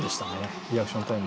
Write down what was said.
リアクションタイム。